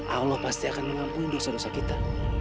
allah pasti akan mengampuni dosa dosa kita